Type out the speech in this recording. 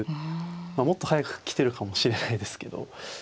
もっと早く来てるかもしれないですけど。